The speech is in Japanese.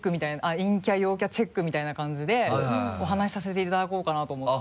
陰キャ・陽キャチェックみたいな感じでお話しさせていただこうかなと思って。